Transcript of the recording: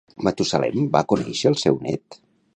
Matusalem va conèixer el seu nét?